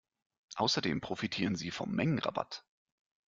Außerdem profitieren sie vom Mengenrabatt.